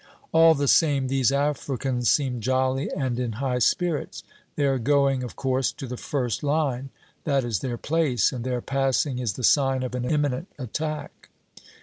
All the same, these Africans seem jolly and in high spirits. They are going, of course, to the first line. That is their place, and their passing is the sign of an imminent attack.